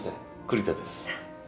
栗田です。